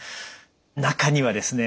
中にはですね